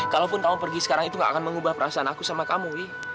kalaupun kamu pergi sekarang itu gak akan mengubah perasaan aku sama kamu